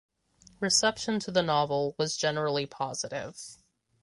Reception to the novel was generally positive.